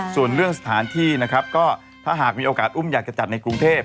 ส่วนเรื่องสถานที่นะครับก็ถ้าหากมีโอกาสอุ้มอยากจะจัดในกรุงเทพ